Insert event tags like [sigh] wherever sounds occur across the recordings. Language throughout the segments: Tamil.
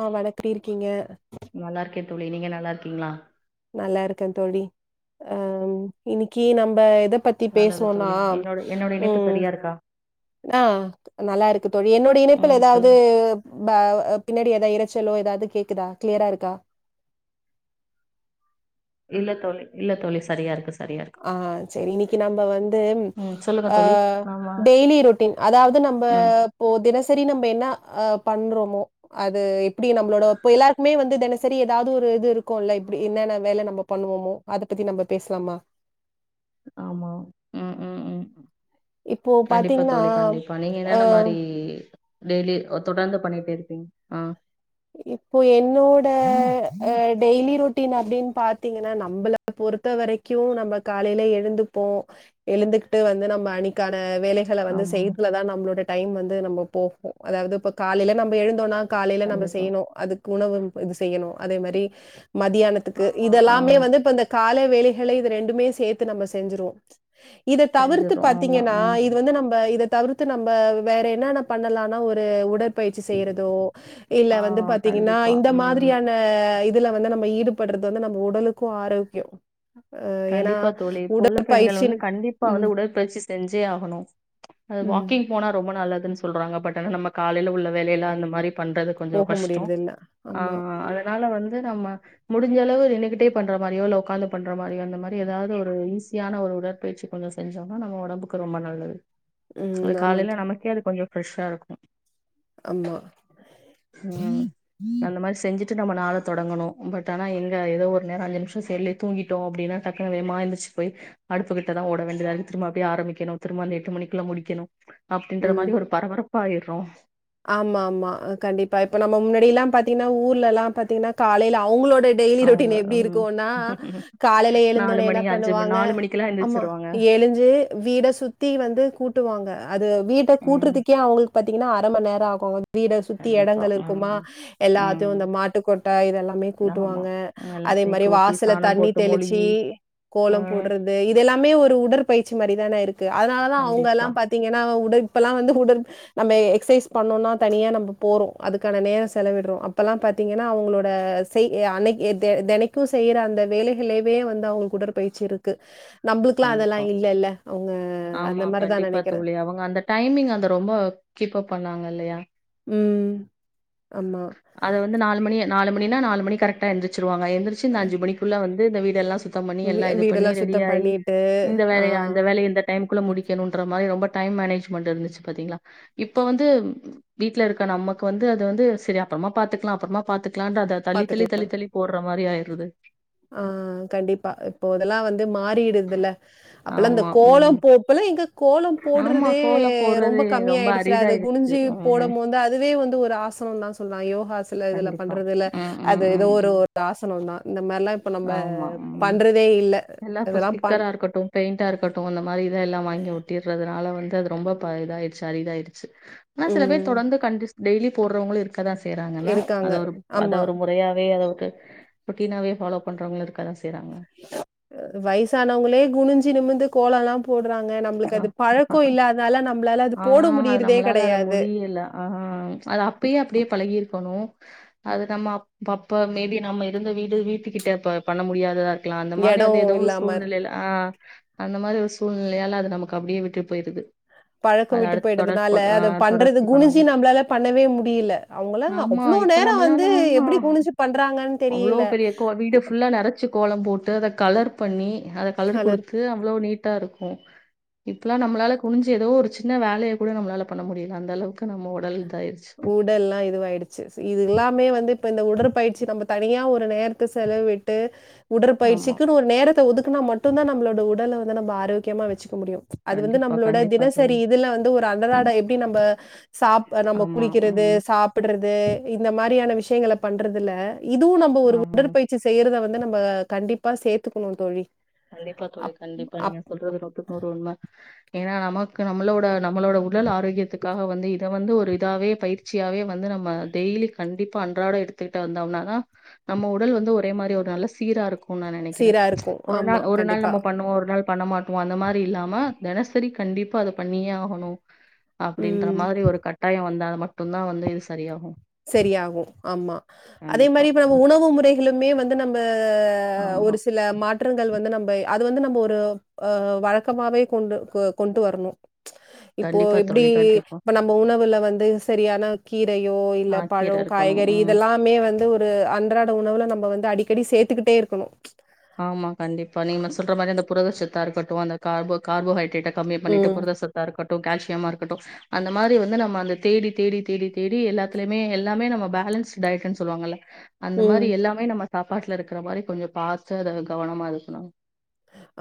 ஆ வணக் எப்டி இருக்கீங்க நல்லா இருக்கே தோழி நீங்க நல்லா இருக்கீங்ளா நல்லா இருக்கே தோழி அ இன்னைக்கு நம்ப எதப் பத்தி நல்லது பேசுவோனா தோழி என்னோட என்னோட இணைப்பு ம் சரியா இருக்கா ஆ நல்லா இருக்கு தோழி என்னோட இணைப்புல ம் எதாவ்து சொல்லுங்க மேல் அ பின்னாடி எதா இரைச்சலோ எதாது கேக்குதா கிளியரா இருக்கா இல்ல தோழி இல்ல தோழி சரியா இருக்கு சரியா இருக்கு ஆ சரி இன்னைக்கு நம்ப வந்து ம் சொல்லுங்க ஆ தோழி ஆமா டெய்லி ரொட்டின் அதாது நம் ப ம் இப்போ தினசரி நம்ப என்னா அ பண்றோமோ அது எப்டி நம்பளோட ப்ப எல்லாருக்குமே வந்து தெனசரி எதாது ஒரு இது இருக்குல எப்டி என்னென்ன வேல நம்ம பண்ணுவோமோ அத பத்தி நம்ப பேசலாமா ஆமாம் ம் ம் ம் இப்போ கண்டிப்பா பாத்தீங்கன்னா தோழி கண்டிப்பா நீங்க அ என்னென்ன மாரி டெய்லி தொடர்ந்து பண்ணிட்டே இருப்பிங் ஆ இப்போ என்னோட அ டெய்லி ரொட்டின் அப்டினு பாத்திங்கனா நம்பள பொறுத்த வரைக்கு நம்ப காலைல எழுந்துப்போ எழுந்துகிட்டு வந்து நம்ப அன்னிக்கான வேலைகள வந்து ஆமா செய்துல தா நம்ளோட டைம் வந்து நம்ம போகு அதாது காலைல நம்ப எழுந்தோனா காலைல நம்ப கண்டிப்பா செய்யணு அதுக்கு உணவு இது செய்யணு அதே மாரி மதியானத்துக்கு ஆமா ஆ இதெல்லாமே வந்து இப்ப இந்த கால வேலைகளை இத ரெண்டுமே சேத்து நம்ம செஞ்சுருவோ இத தவிர்த்து செஞ்சிரு ஆமா பாத்திங்கனா ம் இது வந்து நம்ப இத தவிர்த்து நம்ப வேற என்னென பண்ணலானா ஒரு உடற்பயிற்சி செய்யறதோ இல்ல ஆ வந்து பாத்திங்கனா கண்டிப்பா இந்த ம் மாதிரியான இதுல வந்து நம்ம ஈடுபடறது வந்து நம்ம உடலுக்கு ஆரோக்ய கண்டிப்பா தோழி இப்ப உள்ள பெண்கள் வந்து உடற்பயிற்சின்னு கண்டிப்பா ம், வந்து உடற்பயிற்சி செஞ்சே ஆகணு அ ம். வாக்கிங் போனா ரொம்ப நல்லதுன் சொல்றாங்க பட் ஆனா நம்ம காலைல உள்ள வேலையெலா அந்த மாரி பண்றது கொஞ்ச போக கஷ்ட முடியறதில்ல. அ ஆமா. அதனால வந்து நம்ம முடி ஞ்சளவு நின்னுகிட்டே பண்ற மாரியோ இல்ல உக்காந்து பண்ற மாரியோ இந்த மாரி எதாது ஒரு ஈஸியான ஒரு உடற்பயிற்சி கொஞ்ச செஞ்சோனா நம்ம ஒடம்புக்கு ரொம்ப நல்லது அது ம். ஆமா காலைல த் நமக்கே அது கொஞ்ச ஃப்ரெஷ்ஷா இருக்கு ஆமா. ம் அந்த மாரி செஞ்சுட் டு நம்ம நாள தொடங்கனு பட் ஆனா எங்க எதோ ஒரு நேர அஞ்சு நிம்ஷ செல்லே தூங்கிட்டோ அப்டினா டக்குனு வேகமா எந்துர்ச்சு போயி அடுப்புகிட்ட தா ஓட வேண்டியதா இருக்கு திரும்ப அப்டியே ஆரம்பிக்கணு திரும்ப அந்த எட்டு மணிக்குள்ள முடிக்கணு அப்டின்ற ம். மாரி ஒரு பரபரப்பா ஆயிர்றோ ஆமா ஆமா கண்டிப்பா இப்ப நம்ம முன்னாடியலா பாத்திங்னா ஊர்ல எல்லா பாத்திங்னா காலைல அவுங்களோட டெய்லி அவங்க ரொட்டின் எப்டி ம் இருக்குன்னா காலைல நாலு எழுந்தொனே மணி என்ன அஞ்சு மணி பண்ணுவாங்க நாலு மணிக்கெல்லா ஆமா எந்திரிச்சிருவாங்க எழுஞ்சி வீட சுத்தி வந்து கூட்டுவாங்க அது வீட்ட ம் கூட்றதுக்கே அவுங்ளுக்கு பாத்திங்னா அர மண் நேர ஆகு வீட சுத்தி கண்டிப்பா எடங்கள் இருக்குமா ம் எல்லாத்தையு ம் இந்த மாட்டுக்கொட்டாய் இதெல்லாமே ஆமா கூட்டுவாங்க அதே எல்லாத்தையு மாரி கூட்டி வாசல சாணம் தண்ணி போட்டு தெளிச்சி மொழுகி கோலம் ம் போடறது இதெல்லாமே ஒரு உடற்பயிற்சி மாரி தானே இருக்கு அதனால தா அவுங்கலா கண்டிப்பா பாத்திங்கனா உட இப்பெலா வந்து உடற் நம்பே எக்சைஸ் பண்ணோனா தனியா நம்ப போறோ அதுக்கான நேர செலவிடறோ அப்பெல்லா பாத்திங்கனா அவுங்ளோட செய் அன்னக்கி எது தே தெனைக்கு செய்யற அந்த வேலைகளயவே வந்து அவுங்களுக் உடற்பயிற்சி இருக்கு நம்பளுக்குலாம் கண்டிப்பா அதெல்லாம் இல்லல்ல. அவங்க அந்த ஆமா மாரி தான் கண்டிப்பா நெனைக்கிறேன். தோழி அவுங்க அந்த டைமிங் அந்த ரொம்ப கீப் அப் பண்ணாங்க இல்லயா ம் ஆமா அது வந்து நாலு மணி நாலு மணி னா நாலு மணி கரெக்டா எந்திரிச்சிருவாங்க எந்திரிச்சி இந்த அஞ்சு மணிக்குள்ள வந் து இந்த வீடெல்லா சுத் தம் பண்ணி வீ எல்லா இது பண்ணி வீடெல்லாம் சுத்தம் ரெடியாயி பண்ணிட்டு, இந்த ஆ வேலைய அந்த வேலைய இந்த டைம்குள்ள முடிக்கணுன்ற மாரி ரொம்ப டைம் மேனேஜ்மெண்ட் இருந்துச்சு பாத்திங்ளா இப்ப வந்து வீட்ல இருக்க நமக்கு வந்து அது வந்து சரி அப்பறமா பாத்துக்லா அப்பறமா பாத்துக்லான்ட்டு அத தள்ளி தள்ளி பாத்துக்கலாம். தள்ளி தள்ளி போடறா மாரி ஆயிருது ஆ கண்டிப்பா இப்போ இதெல்லா வந் து மாறிடுதுல்ல அப்பல்லா இந்த ஆமா ம் கோலம் போப் இப்பலா எங்க கோலம் ஆமா போடறதே கோலம் ரொம் ப போடுறது கமி ரொம்ப ஆயிடுச்சி ல அது அரிதாயிடுச்சு குனிஞ்சு ம் போடம் மோது அதுவே வந்து ஒரு ஆசனந்தா சொல்லா யோ காஸ்ல இதுல கண்டிப்பா பண்றதுல ம் ம் அது ஏதோ ம் ஒரு ம் ஒரு ஆசனந்தா இந்த மார்லா இப்ப நம்ப ஆமா ம் பண்றதே இல் எல்லா இப்ப ஸ்டிக்கரா இருக்கட்டு பெயிண்டா இருக்கட்டு அந்த மாரி இதல்லா வாங்கி ஒட்டிர்றதுனால வந் து ரொம்ப ப இதாய்ச்சி அரிதாயிர்ச்சு ஆனா சில பேர் ம். தொடந்து கண்டிஸ் டெய்லி போடுறவுங்ளு இருக் கதா செய்றாங்கல இருக்காங்க. அத ஒருப் ஆமா. அத ஒரு முறையாவே அளவுக்கு ரொடீனாவே ஃபாலோப் பன்றவங்ளு இருக்க தா செய்றாங் வயசானவங்ளே குனிஞ்சி நிமிந்து கோலோலா போடு றாங்க நம்ளுக்கு ஆ அது பழக்கோ இல்ல அத்னால நம்ளால அது ஆ போட முடியிறதே கெடையாது ம்ஷஅது அப்பயே அப்டியே பழகிருக் கணூ அது நம்ம அப் அப்போ மேபி நம்ம இருந்த வீடு வீட்டுக்கிட்ட ப பண்ண முடியாததார் க்லா அந்த மாரி எடம் வந்து ஏதோ ஒரு இல்லாம. சூழ்நிலையில ஆ அந்த மாரி ஒரு சூழ் நிலையால அது நமக்கு அப்டியே விட்டு போயிருது பழக்கோ அது விட்டு அடுத்து தொடர்பு போயிடுதுனால ஆ அத பண்றது தொடர்ச்சி பண்ணணு குனிஞ்சி நம்ப்ளால பண்ணவே முடியில அவுங்கலா அவ் அ இப்ப நம்ளாலா பண்றாங்கன்னு அவ்ளோ தெரியல. பெரிய கோ வீடு ஃபுல்லா நறச்சு கோலம் போடு டு அத கலர் பண்ணி அத கலர் குடுத்து அவ்ளோ நீட்டா இருக்கூ இப்லா நம்மளால குனிஞ்சி ஏதோ ஒரு சின்ன வேலையே கூட நம்ளால பண்ண முடியல அந்தளவுக்கு நம்ம உடல் இதாயிருச்சு உடல்லா இதுவாயிடுச்சி சு இதுல்லாமே வந்துட் இந்த உடற்பயிற்சி நம்ம தனியா ஒரு நேரத்த செலவிட்டு ஆமா உடற்பயிற்சிக்குனு ஒரு நேரத்த ஒதுக் குனா மட்டுந்தா நம்ளோட உடல வந்து நம்ம ஆரோக்கியமா வச்சிக் க முடியு அது வந்து கண்டிப்பா நம்ளோட கண்டிப்பா தோழி தினசரி இதுல வந்து ஒரு அன்றாட எப்டி நம்ப சாப் நம்ப ஆமா குளிக்கிறது ம் சாப்புடுறது இந்த மாரியான விஷயங்கள பண்றதுல இதுவூ நம்ப ஒரு ஆமா உடற்பயிற்சி செய்றத வந்து நம்ம கண்டிப்பா சேத்துக்குணூ தோழி கண்டிப்பா தோழி அப் கண்டிப்பா நீங்க அப் சொல்றது நூத்துக்கு நூறு உண்ம ஏனா நமக்கு நம்ளோட நம்மளோட உடல் ஆரோக்கியத்துக் காக வந்து இத வந்து ஒரு இதாவே பயிற்சியாவே வந்து நம்ம டெய்லி கண்டிப்பா அன்றாட எடுத்துட்டு வந்தோம்னா அதா நம்ம உடல் வந்து ஒரே மாரி ஒரு நல்ல சீரா இருக்கூன் நா நெனக்கிறே சீரா இருக்கும். ஒரு ஆமா, நாள் ஒரு நாள் கண்டிப்பா. நம்ம பண்ணுவோ ஒர் நாள் பண்ணமாட்டோ அந்த மாரி இல்லாம தெனசரி கண்டிப்பா அத பண்ணியே ஆகணூ அப்டின்ற ம். மாத்ரி ஒரு கட்டாயோ வந்தா மட்டுந்தா வந்து இது சரியாகூ செரியாகூ ஆமா அதே கண்டிப்பா மாரி இப்ப நம்ம உணவு முறைகளுமே வந்து நம்ப அ ஆமா ஒரு சில மாட் ற்றங்கள் வந்து நம்ப அது வந்து நம்ப ஒரு ஆ வழக்கமாவே கொண்டு க கொண்டு வரணூ இப்போ கண்டிப்பா எப்டி தோழி கண்டிப்பா ப நம்ம உணவுல வந்து சரியான கீரையோ ல ஆ கீர பழோ இருக்கணும் காய்கறி ம் இதெல்லாமே வந்து ஒரு அன்றாட உணவுல நம்ப வ ந்து அடிக்கடி சேத்துக்கிட்டேருக்கணூ ஆமா கண்டிப்பா நீங்க சொல்ற மாரி அந்த புரதச்சத்தா இருக்கட்டூ அந்த காபோ கார்போஹைட்ரேட்டா கம்மி பண்ணிட்டு ம், புரதசத்தாருக்கட் டு கால்சியமா இருக்கட்டு அந்த மாரி வந்து நம்ம அந்த தேடி தேடி தேடி தேடி எல்லாத்திலுமே எல்லாமே நம்ம பே லன்ஸ் டயட்டுன் சொல்லுவாங்கல்ல அந்த ம். மாரி எல்லாமே நம்ம சாப்பாட்ல இருக்கிற மாரி கொஞ்சோ பாத்து அத கவனமா இருக்கணு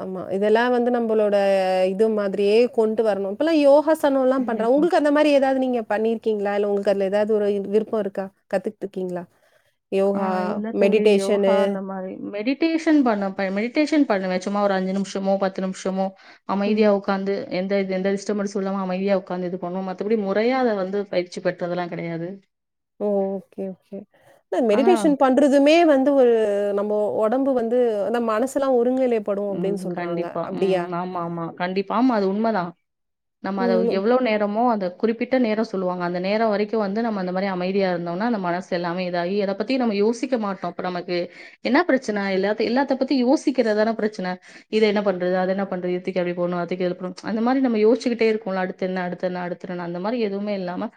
ஆமா இதெல்லாம வந்து நம்பளோட இது மாத்ரியே கொண்டு வரணூ இப்பல்லா யோகாஸ் சனோல்லா பண்றா கண்டிப்பா. உங்களுக்கு அந்த மாரி ஏதாவ்து நீங்க பண்ணிருக் கீங்ளா இல்ல உங்க அத்ல ஏதாவ்து ஒரு விருப்போ இருக்கா கத்துட்ருக்கீங்ளா ஆ இல்ல தோழி யோகா அந்த மாரி மெடிட் டேஷன் பண்ணுவே பா மெடிடேஷன் பண்ணுவே சும்மா ஒரு அஞ்சு நிமிஷமோ பத்து நிமிஷமோ ம். அமைதியா ஒக்காந்து எந்த இது எந்த டிஸ்டபன்ஸுல்லாம அமைதியா ஒக்காந்து இது பண்ணுவோ மத்தபடி முறையா அத வந்து பயிற்சி பெற்றதுலா கெடையாது ஒ ஓகே ஓகே அ ஆனா மெடிடேஷன் பண்றதுமே வந் து நம்ம ஒடம்பு வந்து நம்மனசுலா ஒர் ம் கண்டிப்பா ம் ஆமாமா கண்டிப்பா ஆமா அது உண்மதா நம்ம அது ம். எவ்ளோ நேரமோ அது குறிப்பிட்ட நேரோ சொல்லுவாங்க அந்த நேரோ வரைக்கு வந்து நம்ம அந்த மாரி அமைதியா இருந்தோனா நம்மனசு எல்லாம இதாயி எத பத்தி நம்ம யோசிக்க மாட்டோ இப்ப நமக்கு என்னா ப்ரச்சன எல்லாத் எல்லாத்த பத்தி யோசிக்கிறதான ப்ரச் ன இது என்ன பண்றது அது என்ன பண்ற இத தூக்கி அப்பிடி போடணும் அத தூக்கி இதுல போடணும் அந்த மாதிரி நம்ம யோசிச்சிட்டே இருகோம்ல அடுத்து என்ன அடுத்து அடுத்தென்ன அடுதென்ன அந்த மாதிரி எதுவுமே இல்லாம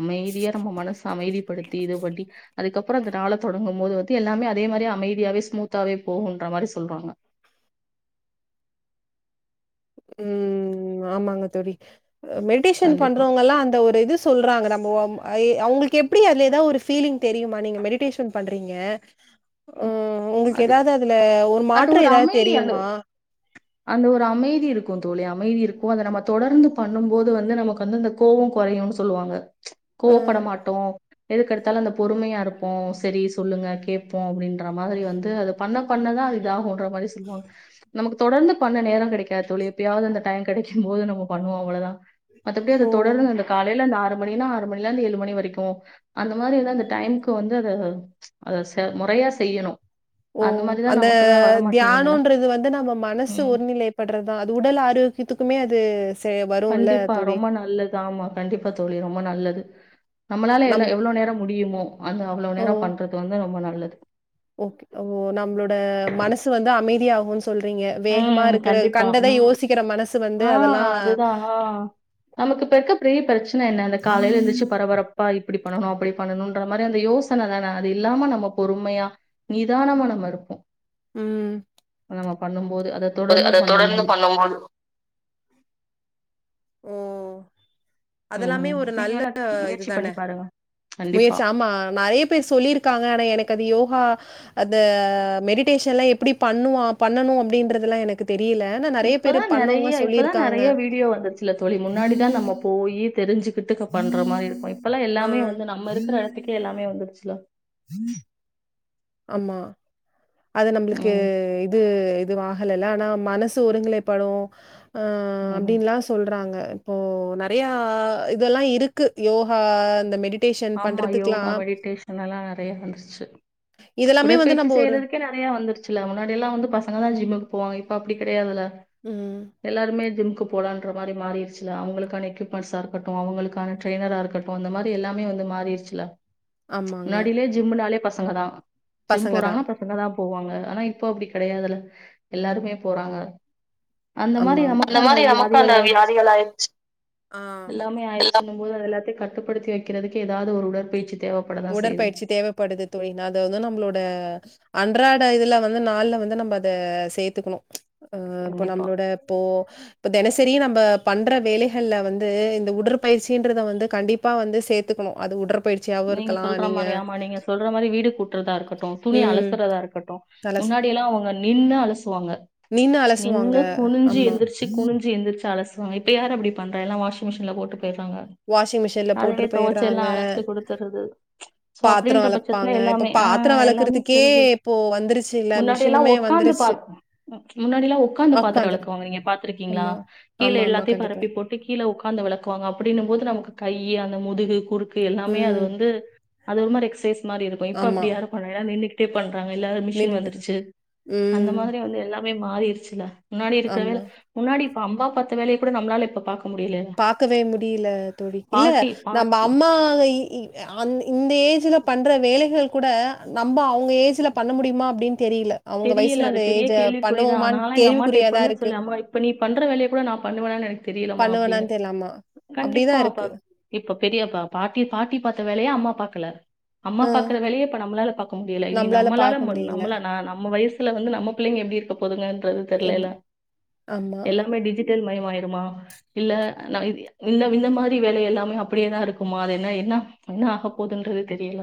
அமைதியா நம்ம மனசு அமைதிப்படுத்தி இது பட்டி அதுக்கப்புறம் அந்த நாள தொடங்கும் போது வந்து எல்லாமே அதே மாதிரி அமைதியாவே ஸ்மூத்தாவே போகுன்ற மாதிரி சொல்றாங்க உம் ஆமாங்க தோழி மெடிடேஷன் கண்டிப்பா. பண்றவங்க எல்லாம் அந்த ஒரு இது சொல்றாங்க நம்ம ஆ அவங்களுக்கு எப்படி அதுல ஏதா ஒரு பீலிங் தெரியுமா நீங்க மெடிடேஷன் பண்றீங்க உம் உங்களுக்கு அது ஏதாவது அதுல ஒரு அது மாற்றம் ஏதாவது அமைதி அந்த தெரியுமா அந்த ஒரு அமைதி இருக்கும் தோழி அமைதி இருக்கும் அத நம்ம தொடர்ந்து பண்ணும் போது வந்து நமக்கு வந்து அந்த கோவம் குறையும்னு சொல்லுவாங்க அ. கோவப்பட மாட்டோ எதுக்கெடுத்தாலும் அந்த பொறுமையா இருப்போம் சரி சொல்லுங்க கேட்போ அப்படின்ற மா மாதிரி வந்து அது பண்ண பண்ணதா இது ஆகும்ன்ற மாதிரி சொல்லுவாங்க நமக்கு தொடர்ந்து பண்ண நேரம் கிடைக்காது தோழி எப்பயாவது அந்த டைம் கிடைக்கும் போது நம்ம பண்ணுவோம் அவ்வளவுதா மத்தபடி அது ஓ! தொடர்ந்து அந்த காலையில அந்த ஆறு மணினா ஆறு மணில இருந்து ஏழு மணி வரைக்கும் அந்த மாதிரி அந்த டைமுக்கு வந்து அது அது முறையா செய்யணும் ஓ மாரிதான் அந்த நமக்குதான் வரமாட்டேங்குதுல தியானம்ன்றது வந்து நம்ம மனசு ம் ஒரு நிலைப்படுறதுதா அது உடல் ஆரோக்கிய த்துக்குமே அது செய் கண்டிப்பா ரொம்ப நல்லது ஆமா கண்டிப்பா தோழி ரொம்ப நல்லது நம்மளால எ நம் எவ்வளவு நேரம் முடியுமோ அந்த அவ்வளவு ஓ! நேரம் பண்றது வந்து ரொம்ப நல்லது ஓகே ஒ நம்மளோட மனசு வந்து அமைதி ஆகும்னு சொல்றீங்க வேகமா ம். இருக்குற கண்டிப்பா. கண்டத ம். யோசிக்கிற மனசு வந்து அதெல்லா நமக்குப்ப இருக்க பெரிய பிரச்சன என்ன அந்த காலையில எந்திரிச்சு பரபரப்பா அப்படி பண்ணணும் அப்படி பண்ணணும்ன்ற மாதிரி அந்த யோசன தானே அது இல்லாம நம்ம பொறுமையா நிதானமா நம்ம இருப்போ உம் பண்ணும்போது அத தொடர்ந்து பண்ணும்போது ம் அதெல்லாமே ம். ஒரு நீங்க நல்ல வேணா முயற்சி இதுதான பண்ணி பாருங்க. கண்டிப்பா. முயற்சி ஆமா நிறைய பேர் சொல்லியிருக்காங்க ஆனா எனக்கு அது யோகா அத மெடிடேஷன்லா எப்டி பண்ணுவா பண்ணணு அப்படின்றதெலா எனக்கு தெரியல ஆனா நெறைய பேரு இப்பதா நெறைய பண்ணவங்க இப்பதா சொல்லிருக்காங்க நெறைய வீடியோ வந்துருச்சுல தோழி முன்னாடி தா நம்ம போய் தெரிஞ்சுக் கித்துக்க பண்ற மாரி இருக்கு இப்பெல்லா ஆ எல்லாமே வந்து நம்ம இருக்குற எடத்துக்கே எல்லாமே வந்துருச்சுல அம்மா அது நம்மளுக்கு ம் இது இது ஆகலல ஆனா மனசு ஒருங்நிலைப்படு அ ம் அப்டின்லா சொல்றாங்க இப்போ நெறைய இதெல்லா இருக்கு யோகா இந்த மெடி ஆமா யோகா மெடிடேஷனல்லா நெறைய வந்துருச்சு இதெல்லாமே வந்து உடற்பயிற்சி நம்ம ஒரு செய்றதுக்கே ந றையா வந்துருச்சுல்ல முன்னாடியெல்லா வந்து பசங்க தா ஜிம்முக் போவங்க இப்ப அப்டி கெடையாதில்ல ம். எல்லாருமே ஜிம்கு போலான்ற மாரி மாறிடுச்சுல அவங்களுக்கான எக்யூப்மெண்ட்ஷா இருக்கட்டு அவங்களுக்கான ட்ரயினரா இருக்கட்டு இந்த மாதிரி எல்லா வந்து மாறிருச்சுல ஆமாங்க. முன்னாடியிலே ஜிம்முனாலே பசங்க தா ஜிம் பசங்க தான். போறாங்கன்னா பசங்கதா போவாங்க ஆனா இப்ப அப்டி கெடையாதில்ல எல்லாருமே போறாங்க அந்த மாரி ஆமா. நமக்கு அந்த மாரி நமக்கு அந்த வியாதிகள் ஆயிடுச்சு வியாதிகள் ஆயிருச்சு. ஆ. எல்லாமே ஆயிடுச்சுன்னு போது அது எல்லாத்தையு கட்டுப்படுத்தி வைக்கிறதுக்கு எதாவது ஒரு உடற்பயிற்சி தேவைப்படதான் செய்யுது உடற்பயிற்சி தேவப்படுது தோழி அத வந்து நம்ப்ளோட அன் அன்றாட இதெல்ல வந்து நாளுல வந்து நம்ப அத சேத்துக்கணு ஆ இப்ப கண்டிப்பா நம்ளோட இப்போ இப்ப தெனசரி நம்ப பண்ற வேலைகள்ல வந்து இந்த உடற்பயிற்சின்றத வந்து கண்டிப்பா வந்து சேரத்துக்கணு அது உடற்பயிற்சி நீங்க சொல்ற மாரி ஆமா நீங்க சொல்ற மாரி வீடு கூட்றதா இருக்கட்டு துணி ம். அலசறதா இருக்கட்டு அலசு முன்னாடியல்லா அவங்க நின்னு அலசுவாங்க நின்னு அலசுவாங்க. நின்னு குனிஞ்சு ஆமா. ம். எந்திரிச்சு குனிஞ்சு எந்திரிச்சு அலஸ் இப்ப யாரு அப்டி பண்றா எல்லா வாஷிங் மிஷின்ல போட்டு போயிறாங்க வாஷிங் மிஷின்ல அதுவே போட்டுட்டு தொவச்சி எல்லா போயிடுறாங்க. அழசி குடுத் தருது சோ பாத்திரம் அப்டின்ற பட்சத்துல வெளக்குப்பாங்க. இப்ப எல்லாமே ஆ பாத்திரம் எல்லாமே வெளக்குறதுக்கே சரிகு இப்போ வந்துருச்சுல்ல முன்னாடி எல்லா மிஷினுமே ஒக்காந்து வந்துருச்சு. பாத் முன்னாடியெல்லா ஒக்காந்து பாத்திர உக்காந்து வெளக்குவாங்க நீங்க பாத்துருக்கீங்ளா ஆமா. கீழ ஆமாமா எல்லாத்தையு கண்டிப்பா. பரப்பி போட் டு கீழ உக்காந்து வெளக்குவாங்க அப்பிடின்னுபோது நமக் கை அந்த முதுகு குறுக்கு எல்லாமே அது ம். வந்து அது ஒரு மாரி எக்சைஸ் மாரி இருக்கு இப்ப ஆமா. அப்டி யாரு பண்றா எல்லாரு நின்னுக்கிட்டே பண்றாங்க எல்லாரு மிஷின் நின்னுட்டு. வந்துருச்சு அந்த ம். மாதிரி வந்து எல்லா வேவ் மாறிறிச்சுல முன்னாடிக்கிற ஆமா. வேல முன்னாடி அம்மா பாத்த வேலய கூட நம்ளால இப்ப பாக் பாக்கவே முடியில தோழி இல்ல பாட்டி நம்ம பாட்டி அம்மா இ இ அ அந் இந்த ஏஜ்ல பண்ற வேலைகள் கூட நம்ப அவுங்க ஏஜ்ல பண்ண முடியுமா அப்டின் தெரியல அது பெரிய கேள்விக்குறிதா பண்ணுவோமான்னு நாலா எங்க அம்மாட்ட கேள்விக்குறியா தான் எப்பவுமே இருக்கு. சொல்லுவ இப்ப நீ பண்ற வேலய கூட நா பண்ணுவன எனக்கு தெரியலமா அப்டின்ன பண்ணுவேனான்னு தெரியல ஆமா. கண்டிப்பா அப்படிதான் இருக்கு. அப்பப் இப் பெரியப்பா பாட்டி பாட்டி பாத்த வேலய அம்மா பாக்கல அம்மா ஆ பாக்குற வேலய இப்ப நம்ளால பாக்க முடியல இனி நம்பளால நம்மளால பாக்க முடியல. நம்புளனா நம் வயசுல வந்து நம்ம பிள்ளைங்க எப்டி இருக்குப் போதுகன்றது எப் தெர்லேல ஆமா. எல்லாமே டிஜிட்டல் மயமாயிருமா இல்ல இந்த இந்த மாரி வேல எல்லாமே அப்டியேதா இருக்குமா அது என்ன என்ன என்ன ஆக போது ன்றது தெரியல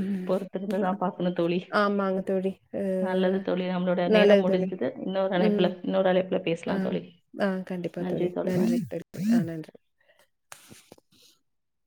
ம். பொறுத்துருந்துதா பாக்கணு தோழி ஆமாங்க தோழி. அ நல்லது தோழி நம்ளோட நேரம் நல்லது தோழி. முடிந்தது இன்னொரு ம். அழைப்புல இன்னொரு அழைப்புல ஆ பேசலாம் தோழி ஆ கண்டிப்பா தோழி நன்றி [unintelligible] ஆ நன்றி [unintelligible]